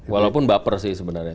walaupun baper sih sebenarnya